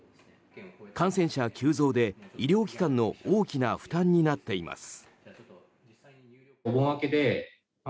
感染者急増で、医療機関の大きな負担になっています。